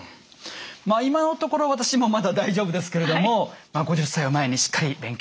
まあ今のところ私もまだ大丈夫ですけれども５０歳を前にしっかり勉強しようと思います。